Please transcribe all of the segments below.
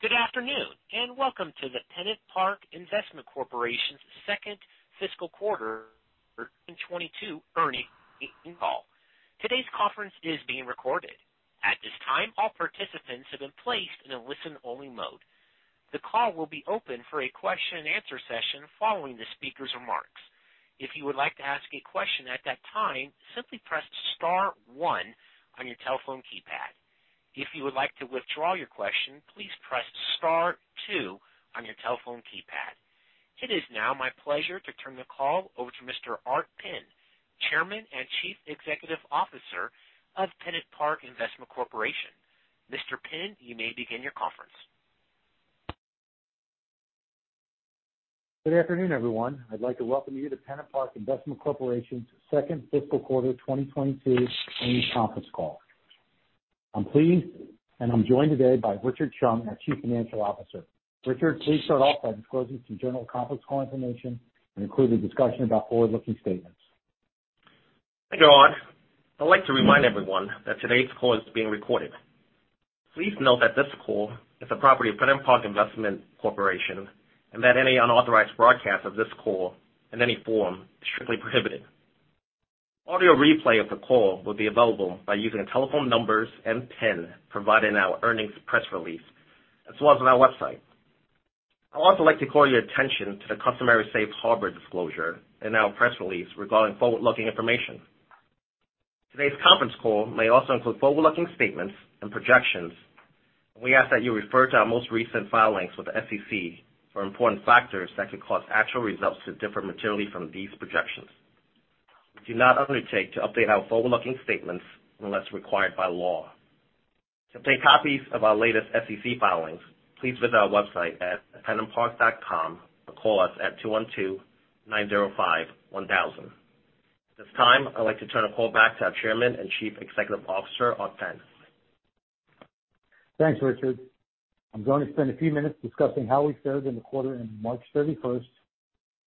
Good afternoon, and welcome to the PennantPark Investment Corporation's second fiscal quarter 2022 earnings call. Today's conference is being recorded. At this time, all participants have been placed in a listen-only mode. The call will be open for a question and answer session following the speaker's remarks. If you would like to ask a question at that time, simply press star one on your telephone keypad. If you would like to withdraw your question, please press star two on your telephone keypad. It is now my pleasure to turn the call over to Mr. Art Penn, Chairman and Chief Executive Officer of PennantPark Investment Corporation. Mr. Penn, you may begin your conference. Good afternoon, everyone. I'd like to welcome you to PennantPark Investment Corporation's second fiscal quarter 2022 earnings conference call. I'm pleased, and I'm joined today by Richard Cheung, our Chief Financial Officer. Richard, please start off by disclosing some general conference call information and include a discussion about forward-looking statements. Thank you, Art. I'd like to remind everyone that today's call is being recorded. Please note that this call is a property of PennantPark Investment Corporation, and that any unauthorized broadcast of this call in any form is strictly prohibited. Audio replay of the call will be available by using the telephone numbers and PIN provided in our earnings press release, as well as on our website. I'd also like to call your attention to the customary safe harbor disclosure in our press release regarding forward-looking information. Today's conference call may also include forward-looking statements and projections, and we ask that you refer to our most recent filings with the SEC for important factors that could cause actual results to differ materially from these projections. We do not undertake to update our forward-looking statements unless required by law. To obtain copies of our latest SEC filings, please visit our website at pennantpark.com, or call us at 212-905-1000. At this time, I'd like to turn the call back to our Chairman and Chief Executive Officer, Art Penn. Thanks, Richard. I'm going to spend a few minutes discussing how we fared in the quarter ending March 31,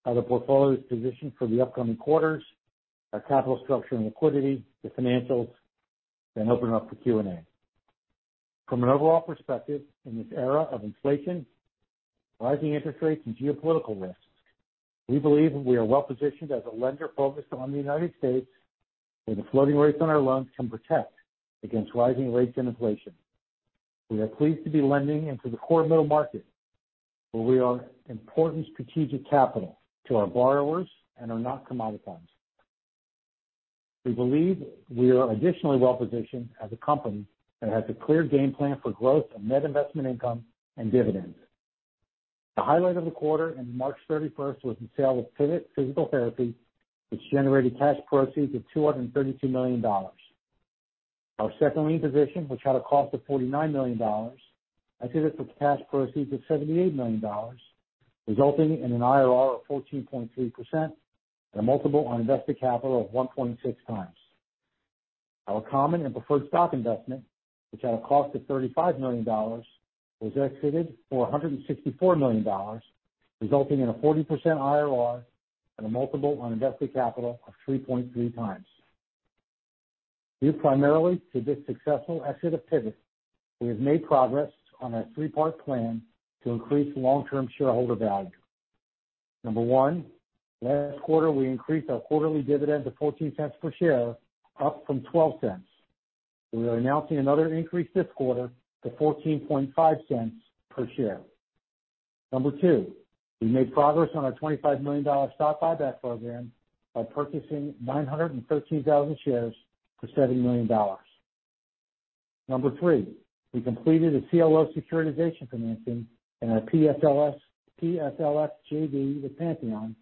how the portfolio is positioned for the upcoming quarters, our capital structure and liquidity, the financials, then open it up for Q&A. From an overall perspective, in this era of inflation, rising interest rates, and geopolitical risks, we believe we are well-positioned as a lender focused on the United States, where the floating rates on our loans can protect against rising rates and inflation. We are pleased to be lending into the core middle market, where we are important strategic capital to our borrowers and are not commoditized. We believe we are additionally well-positioned as a company that has a clear game plan for growth of net investment income and dividends. The highlight of the quarter ending March 31 was the sale of Pivot Physical Therapy, which generated cash proceeds of $232 million. Our second lien position, which had a cost of $49 million, exited for cash proceeds of $78 million, resulting in an IRR of 14.3% and a multiple on invested capital of 1.6x. Our common and preferred stock investment, which had a cost of $35 million, was exited for $164 million, resulting in a 40% IRR and a multiple on invested capital of 3.3x. Due primarily to this successful exit of Pivot, we have made progress on our 3-part plan to increase long-term shareholder value. Number 1, last quarter, we increased our quarterly dividend to 14 cents per share, up from 12 cents. We are announcing another increase this quarter to $0.145 per share. Number two, we made progress on our $25 million stock buyback program by purchasing 913,000 shares for $70 million. Number three, we completed a CLO securitization financing in our PSLF JV with Pantheon,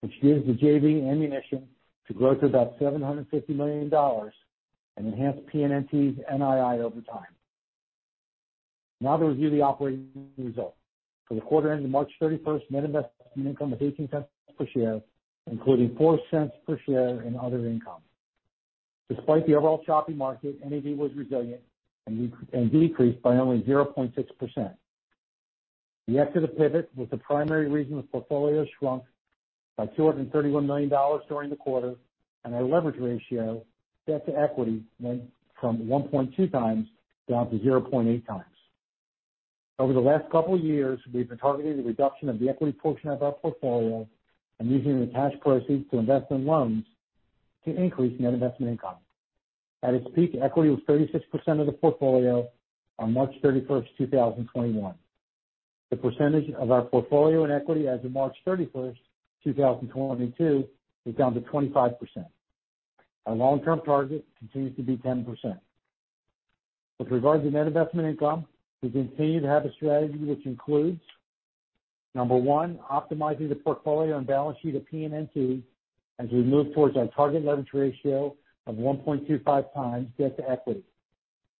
which gives the JV ammunition to grow to about $750 million and enhance PNNT's NII over time. Now to review the operating results. For the quarter ending March 31, net investment income was $0.18 per share, including $0.04 per share in other income. Despite the overall choppy market, NAV was resilient and decreased by only 0.6%. The exit of Pivot was the primary reason the portfolio shrunk by $231 million during the quarter, and our leverage ratio, debt to equity, went from 1.2x down to 0.8x. Over the last couple years, we've been targeting the reduction of the equity portion of our portfolio and using the cash proceeds to invest in loans to increase net investment income. At its peak, equity was 36% of the portfolio on March 31, 2021. The percentage of our portfolio and equity as of March 31, 2022, is down to 25%. Our long-term target continues to be 10%. With regard to net investment income, we continue to have a strategy which includes, number one, optimizing the portfolio and balance sheet of PNNT as we move towards our target leverage ratio of 1.25 times debt to equity.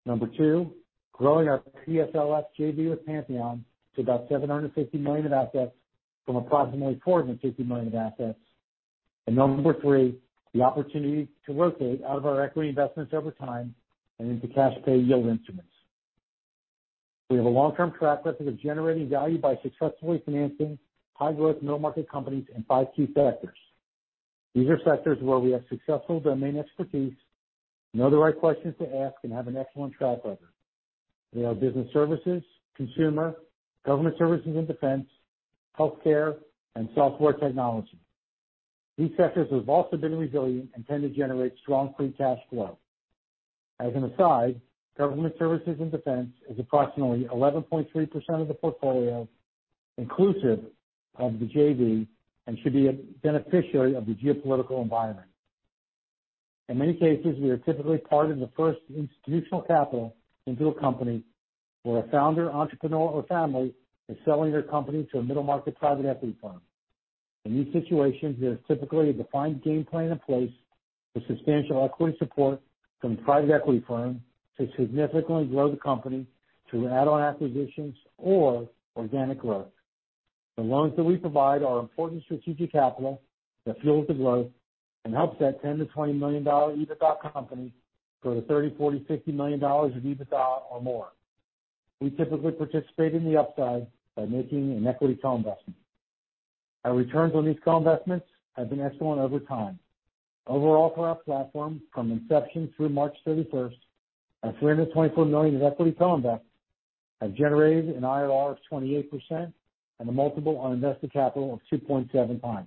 Number two, growing our PSLF JV with Pantheon to about $750 million of assets from approximately $450 million of assets. And number three, the opportunity to rotate out of our equity investments over time and into cash pay yield instruments. We have a long-term track record of generating value by successfully financing high-growth middle market companies in five key sectors. These are sectors where we have successful domain expertise, know the right questions to ask, and have an excellent track record. They are business services, consumer, government services and defense, healthcare, and software technology. These sectors have also been resilient and tend to generate strong free cash flow. As an aside, government services and defense is approximately 11.3% of the portfolio inclusive of the JV and should be a beneficiary of the geopolitical environment. In many cases, we are typically part of the first institutional capital into a company where a founder, entrepreneur or family is selling their company to a middle-market private equity firm. In these situations, there is typically a defined game plan in place with substantial equity support from the private equity firm to significantly grow the company through add-on acquisitions or organic growth. The loans that we provide are important strategic capital that fuels the growth and helps that $10-$20 million EBITDA company grow to $30, $40, $60 million of EBITDA or more. We typically participate in the upside by making an equity co-investment. Our returns on these co-investments have been excellent over time. Overall, for our platform from inception through March 31, our $324 million of equity co-investments have generated an IRR of 28% and a multiple on invested capital of 2.7x.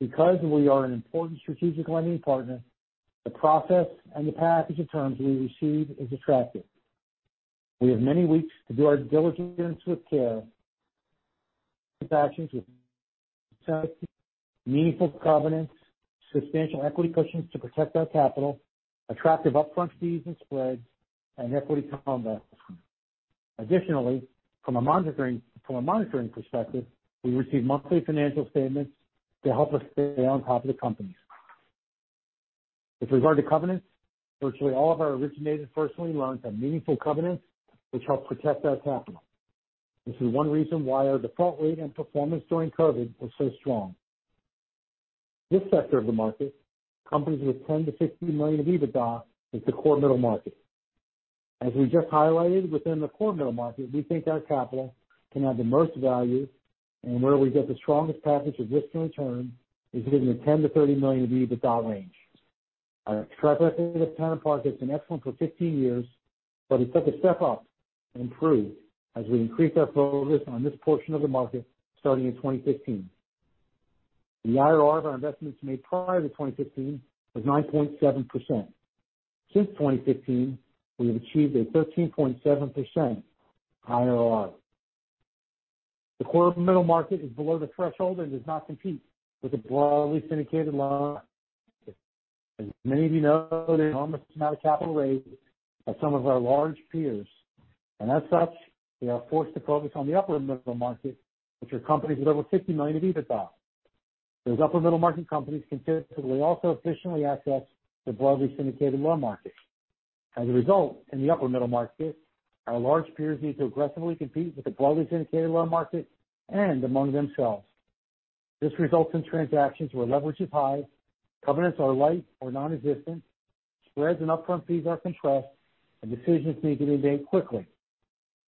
Because we are an important strategic lending partner, the process and the package of terms we receive is attractive. We have many weeks to do our diligence with care. Transactions with meaningful covenants, substantial equity cushions to protect our capital, attractive upfront fees and spreads, and equity co-investments. Additionally, from a monitoring perspective, we receive monthly financial statements to help us stay on top of the companies. With regard to covenants, virtually all of our originated first lien loans have meaningful covenants which help protect our capital. This is one reason why our default rate and performance during COVID was so strong. This sector of the market, companies with 10-15 million of EBITDA, is the core middle market. As we just highlighted within the core middle market, we think our capital can add the most value and where we get the strongest package of risk and return is within the 10-30 million of EBITDA range. Our track record in this part of the market has been excellent for 15 years, but it took a step up and improved as we increased our focus on this portion of the market starting in 2015. The IRR of our investments made prior to 2015 was 9.7%. Since 2015, we have achieved a 13.7% IRR. The core of the middle market is below the threshold and does not compete with the broadly syndicated loan market. As many of you know, they have enormous amount of capital raised by some of our large peers, and as such we are forced to focus on the upper middle market, which are companies with over $50 million of EBITDA. Those upper middle market companies can typically also efficiently access the broadly syndicated loan market. As a result, in the upper middle market, our large peers need to aggressively compete with the broadly syndicated loan market and among themselves. This results in transactions where leverage is high, covenants are light or non-existent, spreads and upfront fees are compressed, and decisions need to be made quickly.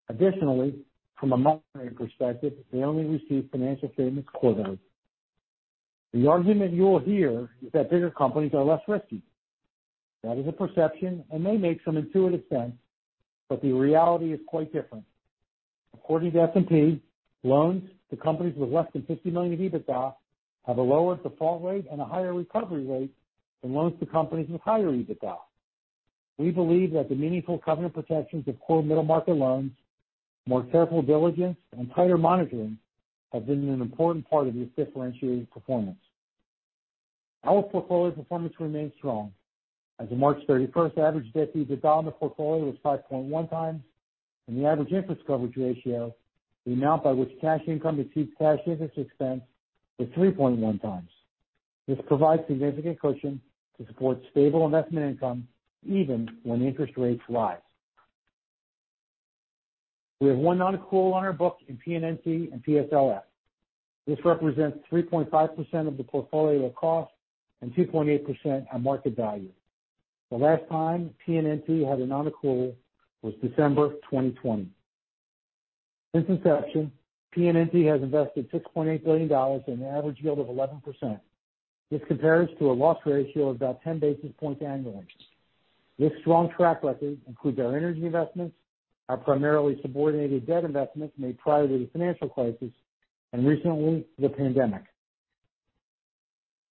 Additionally, from a monitoring perspective, they only receive financial statements quarterly. The argument you will hear is that bigger companies are less risky. That is a perception and may make some intuitive sense, but the reality is quite different. According to S&P, loans to companies with less than $50 million of EBITDA have a lower default rate and a higher recovery rate than loans to companies with higher EBITDA. We believe that the meaningful covenant protections of core middle market loans, more careful diligence, and tighter monitoring have been an important part of this differentiated performance. Our portfolio performance remains strong. As of March 31, average debt-to-EBITDA on the portfolio was 5.1x, and the average interest coverage ratio, the amount by which cash income exceeds cash interest expense, was 3.1x. This provides significant cushion to support stable investment income even when interest rates rise. We have one non-accrual on our books in PNNT and PSLF. This represents 3.5% of the portfolio at cost and 2.8% at market value. The last time PNNT had a non-accrual was December 2020. Since inception, PNNT has invested $6.8 billion at an average yield of 11%. This compares to a loss ratio of about 10 basis points annually. This strong track record includes our energy investments, our primarily subordinated debt investments made prior to the financial crisis, and recently, the pandemic.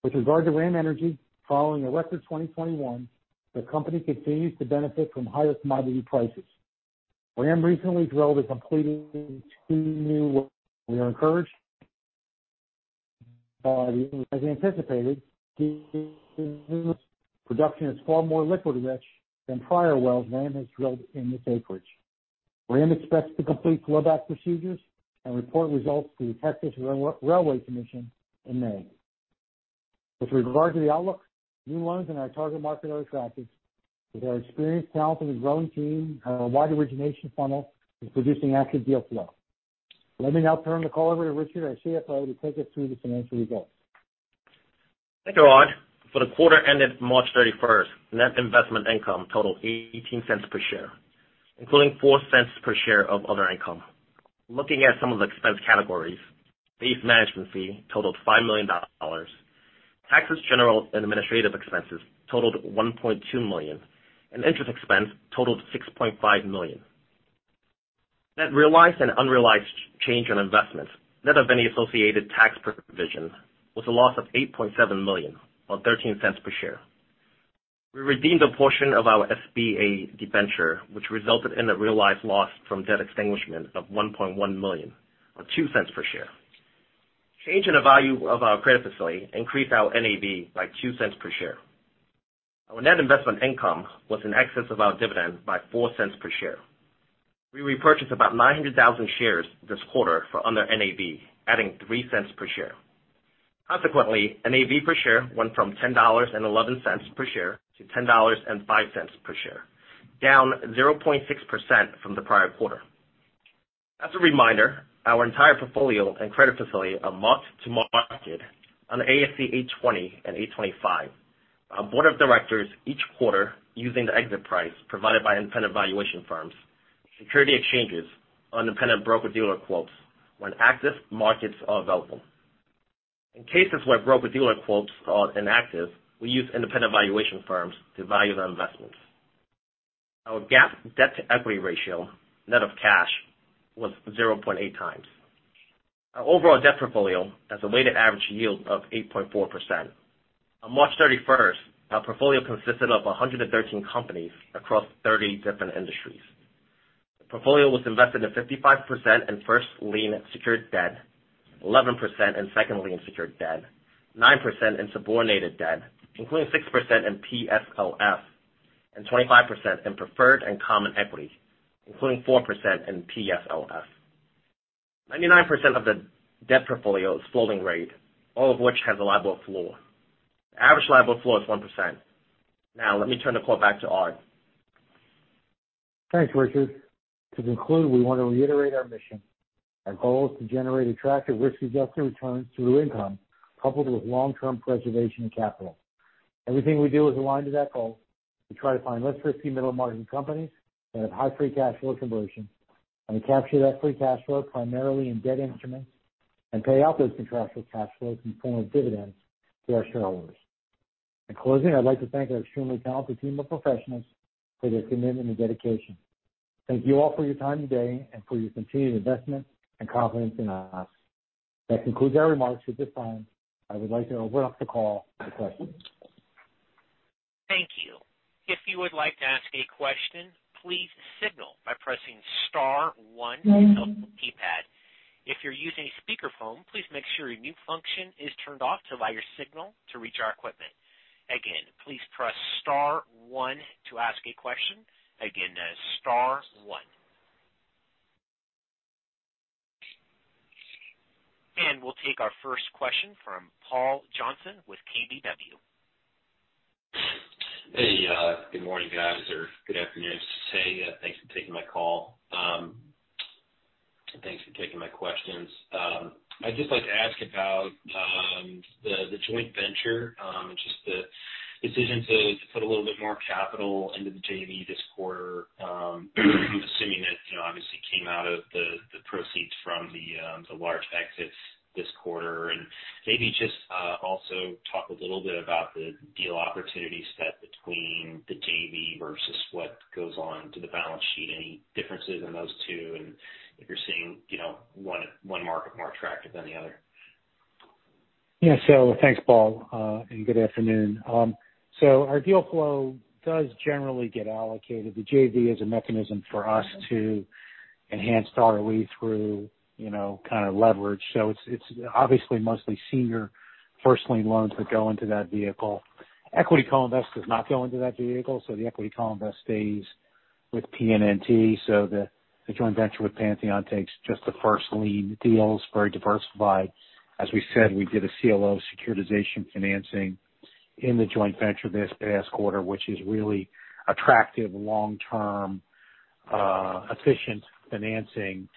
With regard to RAM Energy, following a record 2021, the company continues to benefit from higher commodity prices. RAM recently drilled and completed two new wells. We are encouraged, as we anticipated, this production is far more liquid rich than prior wells RAM has drilled in this acreage. RAM expects to complete flowback procedures and report results to the Texas Railroad Commission in May. With regard to the outlook, new loans in our target market are attractive. With our experienced talent and growing team, our wide origination funnel is producing active deal flow. Let me now turn the call over to Richard, our CFO, to take us through the financial results. Thank you, Art. For the quarter ended March 31, net investment income totaled $0.18 per share, including $0.04 per share of other income. Looking at some of the expense categories, the management fee totaled $5 million. Taxes, general and administrative expenses totaled $1.2 million, and interest expense totaled $6.5 million. Net realized and unrealized change on investments, net of any associated tax provision, was a loss of $8.7 million, or $0.13 per share. We redeemed a portion of our SBA debenture, which resulted in a realized loss from debt extinguishment of $1.1 million, or $0.02 per share. Change in the value of our credit facility increased our NAV by $0.02 per share. Our net investment income was in excess of our dividend by $0.04 per share. We repurchased about 900,000 shares this quarter for under NAV, adding $0.03 per share. Consequently, NAV per share went from $10.11 per share to $10.05 per share, down 0.6% from the prior quarter. As a reminder, our entire portfolio and credit facility are marked-to-market on ASC 820 and 825. Our board of directors each quarter using the exit price provided by independent valuation firms, securities exchanges, or independent broker-dealer quotes when active markets are available. In cases where broker-dealer quotes are inactive, we use independent valuation firms to value their investments. Our GAAP debt-to-equity ratio, net of cash, was 0.8x. Our overall debt portfolio has a weighted average yield of 8.4%. On March 31, our portfolio consisted of 113 companies across 30 different industries. The portfolio was invested in 55% in first lien secured debt, 11% in second lien secured debt, 9% in subordinated debt, including 6% in PSLF, and 25% in preferred and common equity, including 4% in PSLF. 99% of the debt portfolio is floating rate, all of which has a LIBOR floor. The average LIBOR floor is 1%. Now, let me turn the call back to Art. Thanks, Richard. To conclude, we want to reiterate our mission. Our goal is to generate attractive risk-adjusted returns through income, coupled with long-term preservation of capital. Everything we do is aligned to that goal. We try to find less risky middle-market companies that have high free cash flow conversion. We capture that free cash flow primarily in debt instruments and pay out those contractual cash flows in the form of dividends to our shareholders. In closing, I'd like to thank our extremely talented team of professionals for their commitment and dedication. Thank you all for your time today and for your continued investment and confidence in us. That concludes our remarks at this time. I would like to open up the call for questions. Thank you. If you would like to ask a question, please signal by pressing star one on your keypad. If you're using a speakerphone, please make sure your mute function is turned off to allow your signal to reach our equipment. Again, please press star one to ask a question. Again, that is star one. We'll take our first question from Paul Johnson with KBW. Hey, good morning, guys, or good afternoon. Say, thanks for taking my call. Thanks for taking my questions. I'd just like to ask about the joint venture, just the decision to put a little bit more capital into the JV this quarter. Assuming that, you know, obviously came out of the proceeds from the large exits this quarter. Maybe just also talk a little bit about the deal opportunity set between the JV versus what goes on to the balance sheet. Any differences in those two, and if you're seeing, you know, one market more attractive than the other. Yeah. Thanks, Paul, and good afternoon. Our deal flow does generally get allocated. The JV is a mechanism for us to enhance our NAV through, you know, kind of leverage. It's obviously mostly senior first lien loans that go into that vehicle. Equity co-invest does not go into that vehicle, so the equity co-invest stays with PNNT. The joint venture with Pantheon takes just the first lien deals, very diversified. As we said, we did a CLO securitization financing in the joint venture this past quarter, which is really attractive long-term efficient financing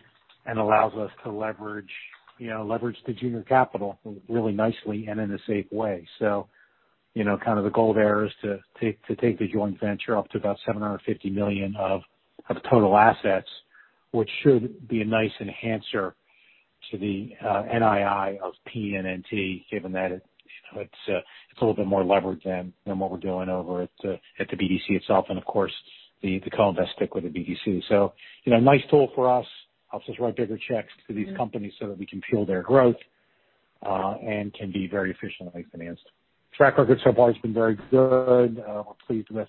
and allows us to leverage, you know, leverage the junior capital really nicely and in a safe way. You know, kind of the goal there is to take the joint venture up to about $750 million of total assets, which should be a nice enhancer to the NII of PNNT, given that it, you know, it's a little bit more leverage than what we're doing over at the BDC itself. Of course the co-invest stick with the BDC. You know, nice tool for us. Helps us write bigger checks to these companies so that we can fuel their growth and can be very efficiently financed. Track record so far has been very good. We're pleased with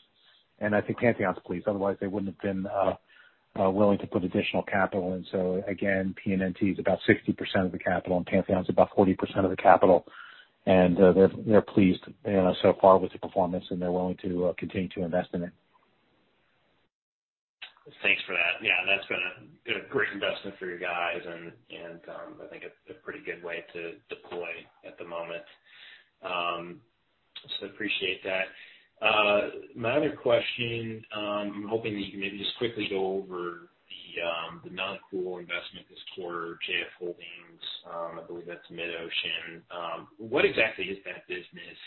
this. I think Pantheon's pleased, otherwise they wouldn't have been willing to put additional capital in. Again, PNNT is about 60% of the capital and Pantheon's about 40% of the capital. They're pleased so far with the performance and they're willing to continue to invest in it. Thanks for that. Yeah, that's been a great investment for you guys and, I think a pretty good way to deploy at the moment. Appreciate that. My other question, I'm hoping that you can maybe just quickly go over the non-core investment this quarter, JF Holdings. I believe that's MidOcean. What exactly is that business?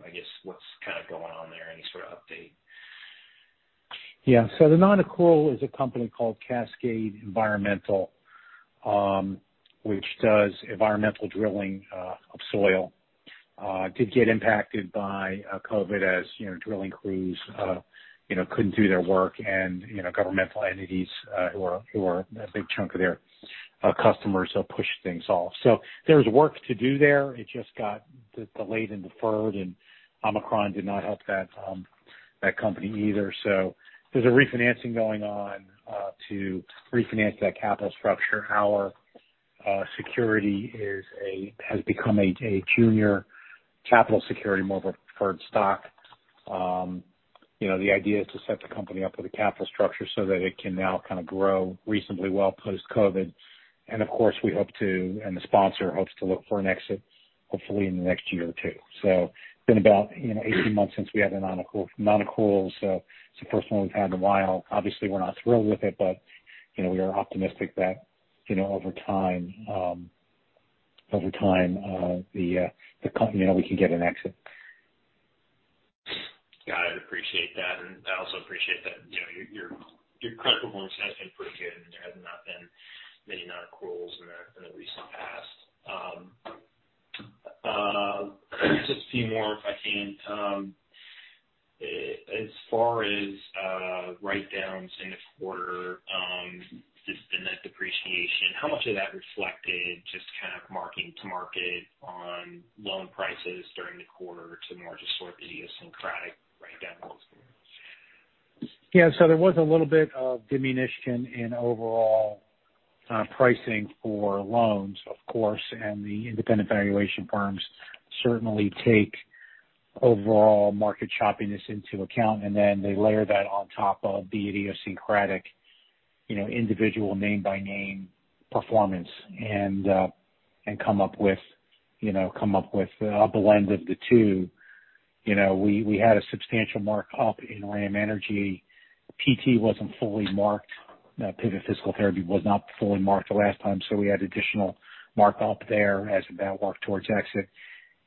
I guess what's kind of going on there? Any sort of update? Yeah. The non-accrual is a company called Cascade Environmental, which does environmental drilling of soil. It did get impacted by COVID, as you know, drilling crews couldn't do their work. You know, governmental entities who are a big chunk of their customers have pushed things off. There's work to do there. It just got delayed and deferred, and Omicron did not help that company either. There's a refinancing going on to refinance that capital structure. Our security has become a junior capital security, more of a preferred stock. You know, the idea is to set the company up with a capital structure so that it can now kind of grow reasonably well post-COVID. Of course, we hope to, and the sponsor hopes to look for an exit hopefully in the next year or two. It's been about, you know, 18 months since we had a non-accrual, so it's the first one we've had in a while. Obviously, we're not thrilled with it, but you know, we are optimistic that, you know, over time, we can get an exit. Got it. Appreciate that. I also appreciate that, you know, your credit performance has been pretty good and there has not been many non-accruals in the recent past. Just a few more if I can. As far as write-downs in the quarter, just the net depreciation, how much of that reflected just kind of marking to market on loan prices during the quarter to the more just sort of idiosyncratic write-down? Yeah. There was a little bit of diminution in overall pricing for loans, of course, and the independent valuation firms certainly take overall market choppiness into account. They layer that on top of the idiosyncratic, you know, individual name by name performance and come up with a blend of the two. You know, we had a substantial mark-up in RAM Energy. PT wasn't fully marked. Pivot Physical Therapy was not fully marked the last time, so we had additional mark-up there as that worked towards exit.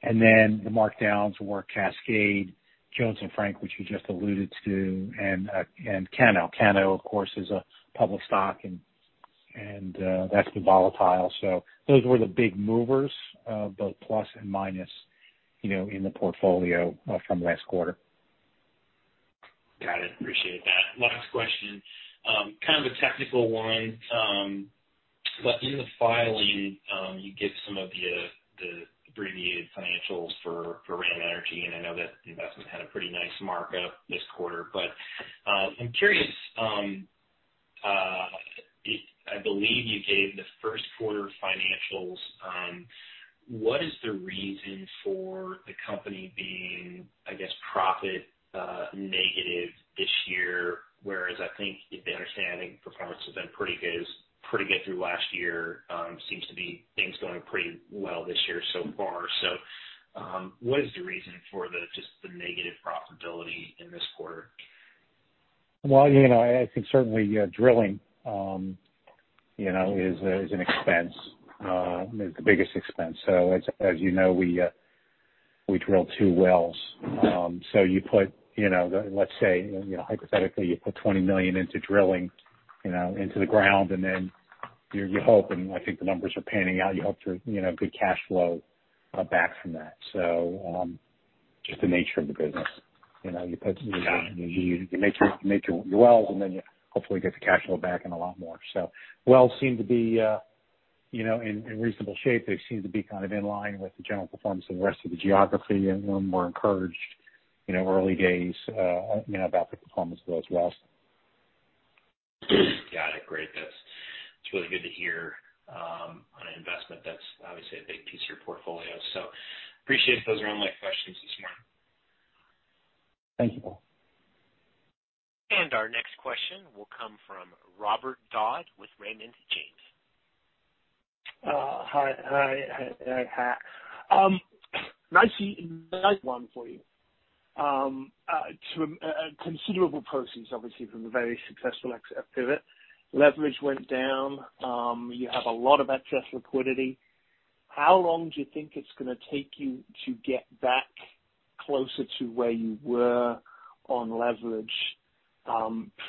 The markdowns were Cascade, Jones & Frank, which you just alluded to, and Cano. Cano of course is a public stock and that's been volatile. Those were the big movers, both plus and minus, you know, in the portfolio from last quarter. Got it. Appreciate that. Last question. Kind of a technical one, but in the filing, you give some of the abbreviated financials for RAM Energy, and I know that the investment had a pretty nice mark-up this quarter. I'm curious. I believe you gave the first quarter financials. What is the reason for the company being, I guess, profit negative this year? Whereas I think the underlying performance has been pretty good through last year, seems to be things going pretty well this year so far. What is the reason for just the negative profitability in this quarter? Well, you know, I think certainly, drilling, you know, is an expense, the biggest expense. As you know, we drilled two wells. You put, you know, let's say, you know, hypothetically, you put $20 million into drilling, you know, into the ground, and then you hope and I think the numbers are panning out, you hope for, you know, good cash flow back from that. Just the nature of the business. You know, you put- Yeah. You make your wells and then you hopefully get the cash flow back and a lot more so. Wells seem to be, you know, in reasonable shape. They seem to be kind of in line with the general performance of the rest of the geography and we're encouraged, you know, early days, you know, about the performance of those wells. Got it. Great. That's really good to hear, on an investment that's obviously a big piece of your portfolio. Appreciate those are all my questions this morning. Thank you. Our next question will come from Robert Dodd with Raymond James. Hi. Nicely light one for you. Considerable proceeds obviously from a very successful exit of Pivot. Leverage went down. You have a lot of excess liquidity. How long do you think it's gonna take you to get back closer to where you were on leverage,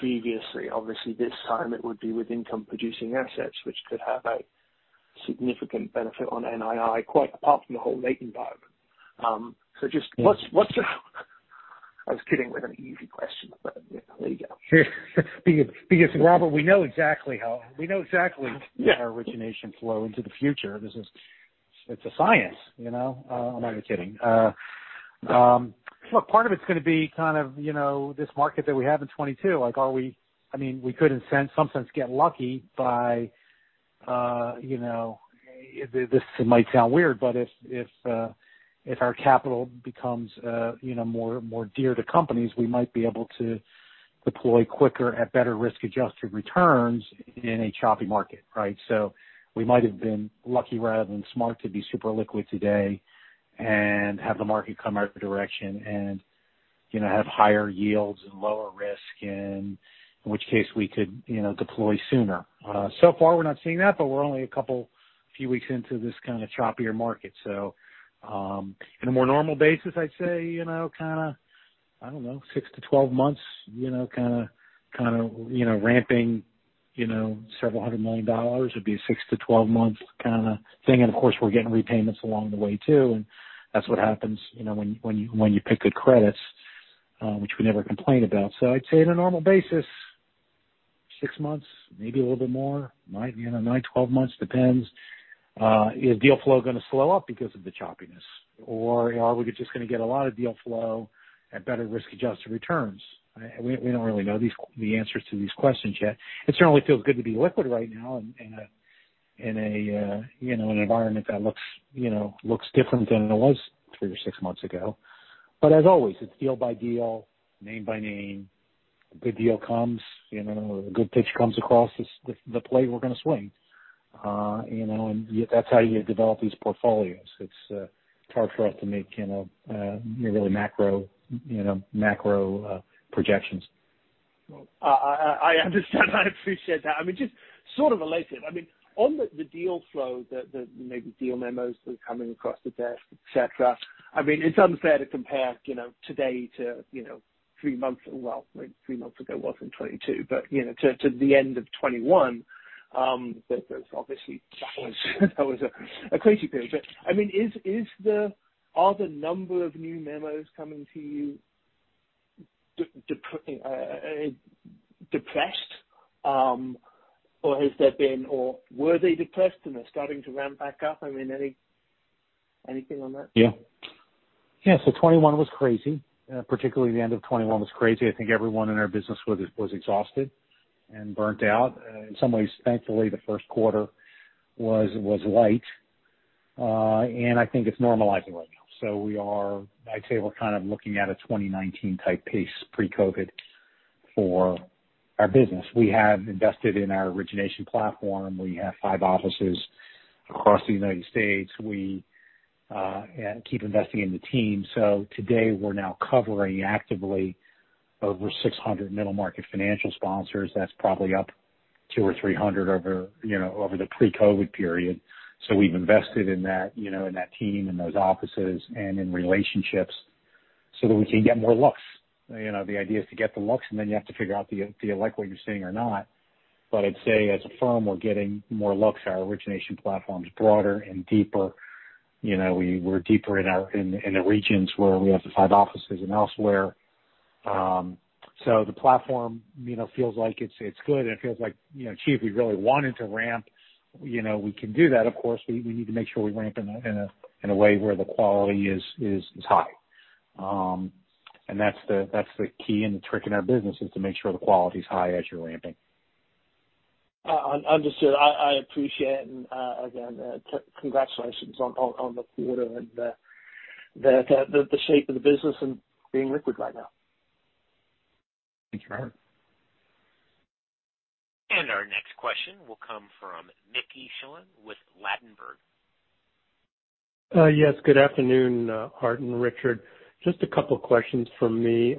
previously? Obviously this time it would be with income producing assets, which could have a significant benefit on NII quite apart from the whole latent vibe. Yeah. I was kidding with an easy question, but there you go. Because Robert, we know exactly how Yeah. Our origination flow into the future. This is, it's a science, you know? I'm only kidding. Look, part of it's gonna be kind of, you know, this market that we have in 2022. Like, are we? I mean, we could, in some sense, get lucky by, you know, this might sound weird, but if our capital becomes, you know, more dear to companies, we might be able to deploy quicker at better risk-adjusted returns in a choppy market, right? We might have been lucky rather than smart to be super liquid today and have the market come our direction and you know, have higher yields and lower risk in which case we could, you know, deploy sooner. So far we're not seeing that, but we're only a couple few weeks into this kind of choppier market. In a more normal basis, I'd say, you know, kinda, I don't know, 6-12 months, you know, kinda, you know, ramping, you know, $several hundred million would be a 6-12 months kinda thing. Of course, we're getting repayments along the way too. That's what happens, you know, when you pick good credits, which we never complain about. I'd say on a normal basis, 6 months, maybe a little bit more. It might, you know, nine, 12 months, depends. Is deal flow gonna slow up because of the choppiness? Are we just gonna get a lot of deal flow at better risk-adjusted returns? We don't really know the answers to these questions yet. It certainly feels good to be liquid right now in an environment that looks, you know, different than it was three or six months ago. As always, it's deal by deal, name by name. A good deal comes, you know, a good pitch comes across the plate, we're gonna swing. You know, that's how you develop these portfolios. It's hard for us to make, you know, really macro projections. I understand. I appreciate that. I mean, just sort of related. I mean, on the deal flow that maybe deal memos that are coming across the desk, et cetera. I mean, it's unfair to compare, you know, today to, you know, three months, well, three months ago wasn't 2022, but, you know, to the end of 2021, but obviously that was a crazy period. I mean, is the... Are the number of new memos coming to you depressed? Or has there been, or were they depressed and they're starting to ramp back up? I mean, anything on that? Yeah. Yeah. 2021 was crazy. Particularly the end of 2021 was crazy. I think everyone in our business was exhausted and burned out. In some ways, thankfully, the first quarter was light. I think it's normalizing right now. I'd say we're kind of looking at a 2019 type pace pre-COVID for our business. We have invested in our origination platform. We have five offices across the United States. We keep investing in the team. Today, we're now covering actively over 600 middle market financial sponsors. That's probably up 200 or 300 over, you know, over the pre-COVID period. We've invested in that, you know, in that team, in those offices, and in relationships so that we can get more looks. You know, the idea is to get the looks, and then you have to figure out, do you like what you're seeing or not? I'd say, as a firm, we're getting more looks. Our origination platform is broader and deeper. You know, we're deeper in the regions where we have the five offices and elsewhere. The platform, you know, feels like it's good, and it feels like, you know, gee, if we really wanted to ramp, you know, we can do that. Of course, we need to make sure we ramp in a way where the quality is high. That's the key, and the trick in our business is to make sure the quality is high as you're ramping. Understood. I appreciate. Again, congratulations on the quarter and the shape of the business and being liquid right now. Thank you. Our next question will come from Mickey Schleien with Ladenburg. Yes, good afternoon, Art and Richard. Just a couple of questions from me.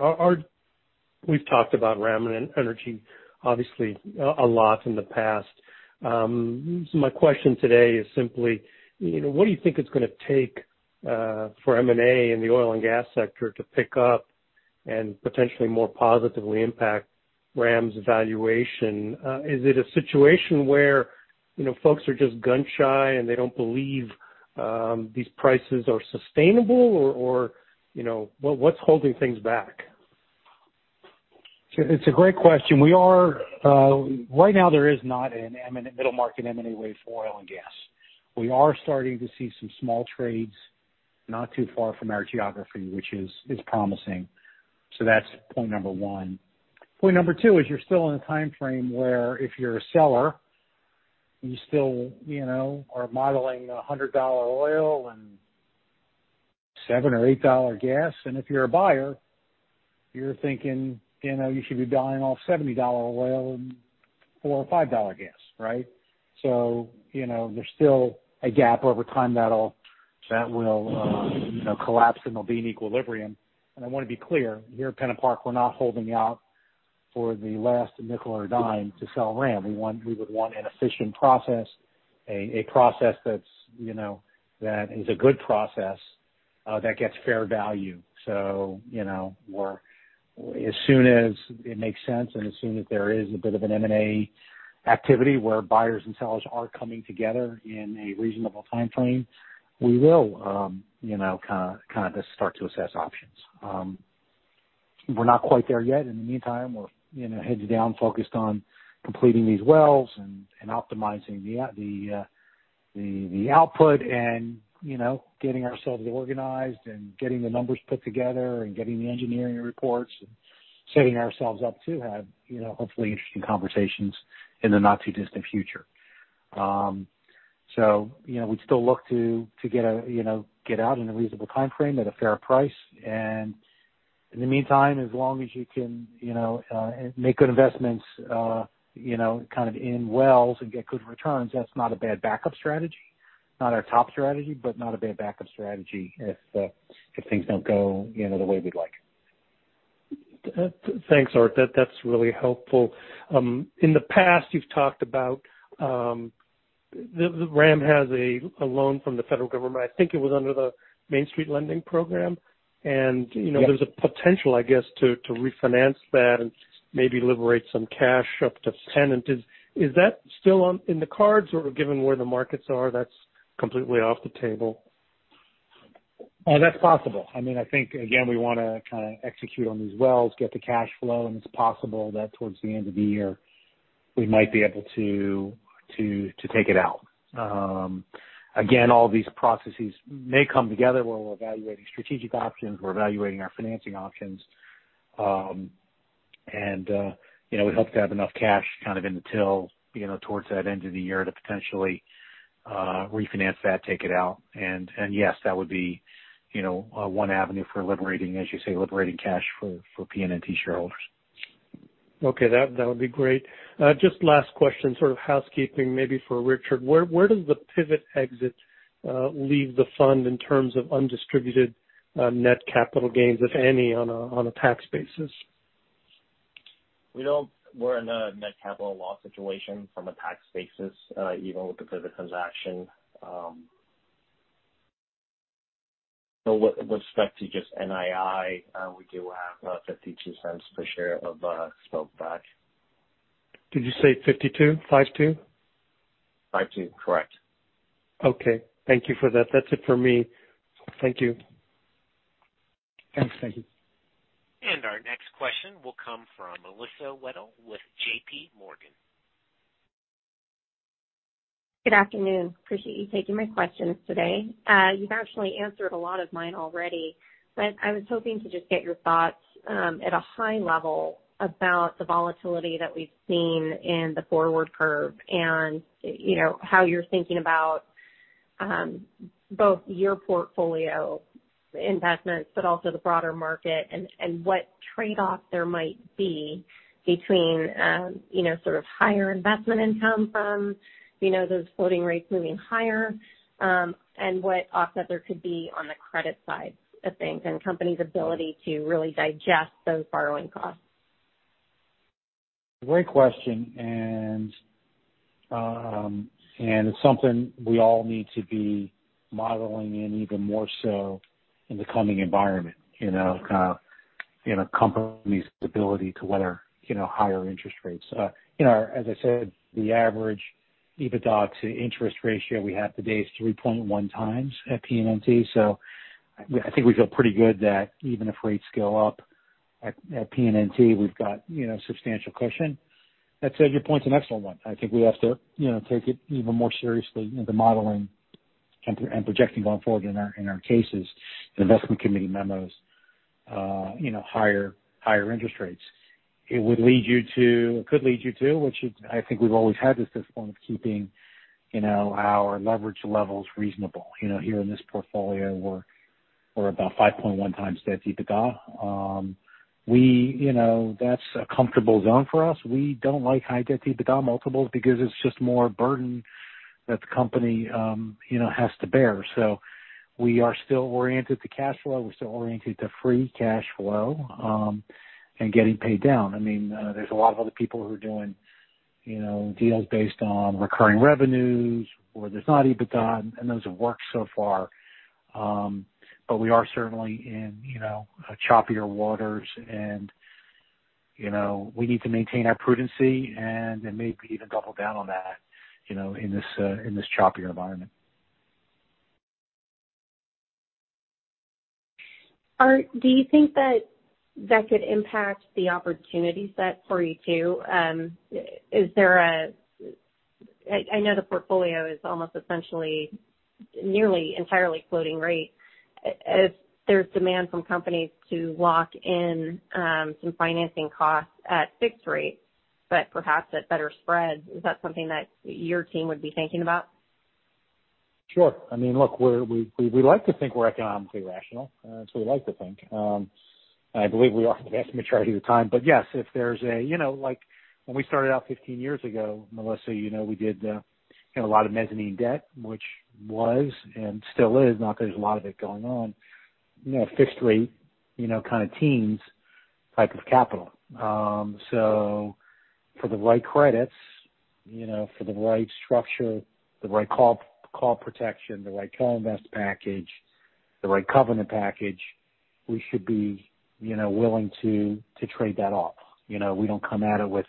We've talked about RAM Energy obviously a lot in the past. So my question today is simply, you know, what do you think it's gonna take for M&A in the oil and gas sector to pick up and potentially more positively impact RAM's valuation? Is it a situation where, you know, folks are just gun shy and they don't believe these prices are sustainable? Or what's holding things back? It's a great question. We are right now there is not a middle market M&A wave for oil and gas. We are starting to see some small trades not too far from our geography, which is promising. That's point number one. Point number two is you're still in a timeframe where if you're a seller, you still you know are modeling $100 oil and $7 or $8 gas. If you're a buyer, you're thinking you know you should be buying off $70 oil and $4 or $5 gas, right? You know there's still a gap. Over time that will you know collapse and there'll be an equilibrium. I wanna be clear here at PennantPark we're not holding out for the last nickel or dime to sell RAM. We would want an efficient process, a process that's, you know, that is a good process, that gets fair value. As soon as it makes sense, and as soon as there is a bit of an M&A activity where buyers and sellers are coming together in a reasonable timeframe, we will, you know, kinda start to assess options. We're not quite there yet. In the meantime, we're, you know, heads down focused on completing these wells and optimizing the output and, you know, getting ourselves organized and getting the numbers put together and getting the engineering reports and setting ourselves up to have, you know, hopefully interesting conversations in the not too distant future. You know, we'd still look to get out in a reasonable timeframe at a fair price. In the meantime, as long as you can, you know, make good investments, you know, kind of in wells and get good returns, that's not a bad backup strategy. Not our top strategy, but not a bad backup strategy if things don't go, you know, the way we'd like. Thanks, Art. That's really helpful. In the past, you've talked about the RAM has a loan from the federal government. I think it was under the Main Street Lending Program. Yes. You know, there's a potential, I guess, to refinance that and maybe liberate some cash up to Pennant. Is that still on in the cards or given where the markets are, that's completely off the table? That's possible. I mean, I think, again, we wanna kinda execute on these wells, get the cash flow, and it's possible that towards the end of the year we might be able to take it out. Again, all these processes may come together where we're evaluating strategic options, we're evaluating our financing options. You know, we'd hope to have enough cash kind of in the till, you know, towards that end of the year to potentially refinance that, take it out. Yes, that would be, you know, one avenue for liberating, as you say, liberating cash for PNNT shareholders. Okay, that would be great. Just last question, sort of housekeeping maybe for Richard. Where does the Pivot exit leave the fund in terms of undistributed net capital gains, if any, on a tax basis? We're in a net capital loss situation from a tax basis, even with the Pivot transaction. With respect to just NII, we do have $0.52 per share of spillback. Did you say 52? 5 2? 52. Correct. Okay. Thank you for that. That's it for me. Thank you. Thanks. Thank you. Our next question will come from Melissa Weddle with J.P. Morgan. Good afternoon. Appreciate you taking my questions today. You've actually answered a lot of mine already, but I was hoping to just get your thoughts at a high level about the volatility that we've seen in the forward curve and you know, how you're thinking about both your portfolio investments but also the broader market and what trade-off there might be between you know, sort of higher investment income from those floating rates moving higher and what offset there could be on the credit side of things and companies' ability to really digest those borrowing costs. Great question. It's something we all need to be modeling in even more so in the coming environment, you know, kind of, you know, companies' ability to weather, you know, higher interest rates. You know, as I said, the average EBITDA to interest ratio we have today is 3.1x at PNNT. So I think we feel pretty good that even if rates go up at PNNT, we've got, you know, substantial cushion. That said, your point's an excellent one. I think we have to, you know, take it even more seriously in the modeling and projecting going forward in our cases, investment committee memos, you know, higher interest rates. It could lead you to, which is I think we've always had this discipline of keeping, you know, our leverage levels reasonable. You know, here in this portfolio, we're about 5.1x debt-to-EBITDA. You know, that's a comfortable zone for us. We don't like high debt-to-EBITDA multiples because it's just more burden that the company, you know, has to bear. We are still oriented to cash flow. We're still oriented to free cash flow, and getting paid down. I mean, there's a lot of other people who are doing, you know, deals based on recurring revenues where there's not EBITDA, and those have worked so far. We are certainly in, you know, choppier waters and, you know, we need to maintain our prudence and then maybe even double down on that, you know, in this choppier environment. Art, do you think that could impact the opportunity set for you too? I know the portfolio is almost essentially nearly entirely floating rate. If there's demand from companies to lock in, some financing costs at fixed rates, but perhaps at better spreads, is that something that your team would be thinking about? Sure. I mean, look, we like to think we're economically rational. That's what we like to think. I believe we are the vast majority of the time. Yes, if there's you know like when we started out 15 years ago, Melissa, you know, we did you know a lot of mezzanine debt, which was and still is, not that there's a lot of it going on, you know, fixed rate, you know, kind of teens type of capital. For the right credits, you know, for the right structure, the right call protection, the right co-invest package, the right covenant package, we should be, you know, willing to trade that off. You know, we don't come at it with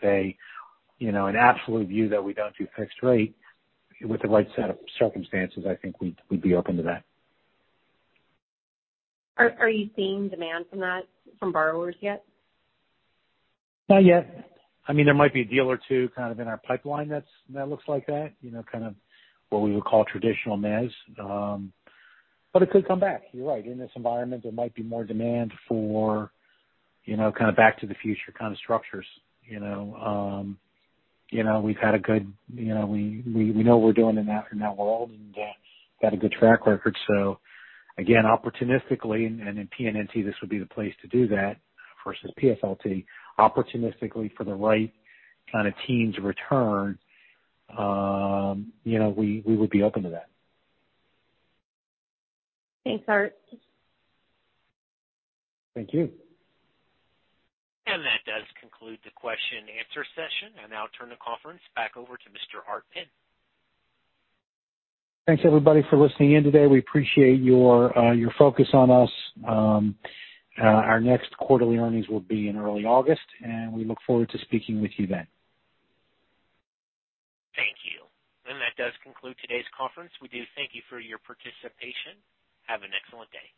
you know an absolute view that we don't do fixed rate. With the right set of circumstances, I think we'd be open to that. Are you seeing demand from that from borrowers yet? Not yet. I mean, there might be a deal or two kind of in our pipeline that looks like that, you know, kind of what we would call traditional mezz. But it could come back. You're right. In this environment, there might be more demand for, you know, kind of back to the future kind of structures, you know. You know, we've had a good. You know, we know we're doing in that world and got a good track record. Again, opportunistically, and in PNNT, this would be the place to do that versus PSLF, opportunistically for the right kind of teens return, you know, we would be open to that. Thanks, Art. Thank you. That does conclude the question and answer session. I'll now turn the conference back over to Mr. Art Penn. Thanks, everybody, for listening in today. We appreciate your focus on us. Our next quarterly earnings will be in early August, and we look forward to speaking with you then. Thank you. That does conclude today's conference. We do thank you for your participation. Have an excellent day.